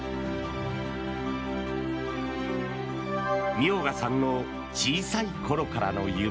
明賀さんの小さい頃からの夢。